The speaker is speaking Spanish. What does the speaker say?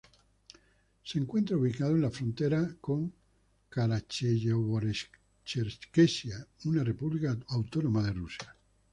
Se encuentra ubicado en la frontera con Karacháyevo-Cherkesia, una república autónoma de Rusia.